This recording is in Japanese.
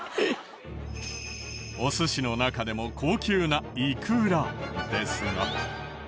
おすしの中でも高級なイクラですが。